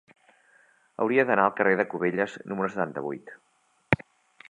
Hauria d'anar al carrer de Cubelles número setanta-vuit.